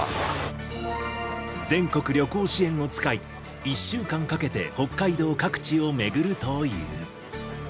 全国旅行支援を使い、１週間かけて北海道各地を巡るという。